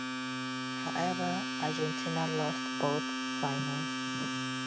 However, Argentina lost both finals.